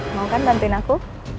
mau kan bantuin aku